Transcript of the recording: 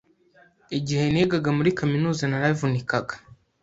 Igihe nigaga muri kaminuza naravunikaga.